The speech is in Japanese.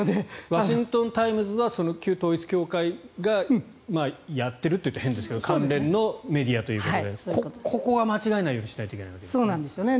ワシントン・タイムズは旧統一教会がやっているというと変ですけど関連のメディアでここは間違えないようにしないといけないわけですね。